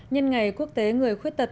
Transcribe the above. nhân ngày quốc tế người khuyết tật